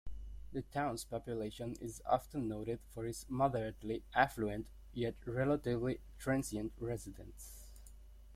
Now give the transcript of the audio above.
The town's population is often noted for its moderately affluent, yet relatively transient residents.